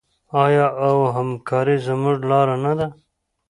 آیا او همکاري زموږ لاره نه ده؟